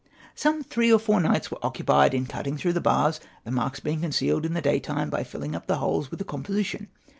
Some three or four nights were occupied in cutting through the bars, the marks being concealed in the day time by filling up the holes with a composition.